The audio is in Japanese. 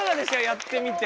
やってみて。